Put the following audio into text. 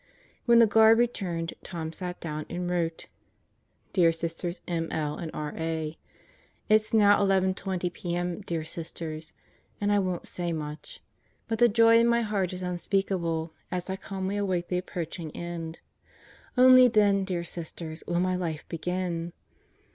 When the guard returned Tom sat down and wrote: Dear Sisters M, L. and R. A. It's now 11:20 p.m. dear Sisters, and I won't say much but the joy in my heart is unspeakable as I calmly await the approaching end. Only then, dear Sisters, will my life begin!